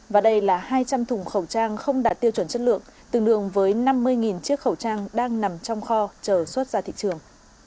và đây là hai trăm linh thùng khẩu trang không đạt tiêu chuẩn chất lượng tương đương với năm mươi chiếc khẩu trang đang nằm trong kho chờ xuất ra thị trường